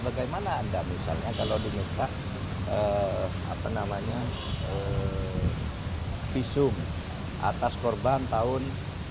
bagaimana anda misalnya kalau diminta visum atas korban tahun seribu sembilan ratus delapan puluh empat